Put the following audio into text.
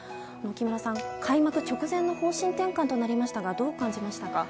木村さん、開幕直前の方針転換となりましたがどう感じましたか？